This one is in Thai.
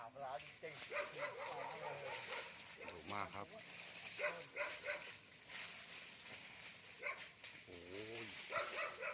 วันที่สุดท้ายมันกลายเป็นเวลาที่สุดท้าย